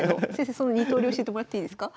その２とおり教えてもらっていいですか？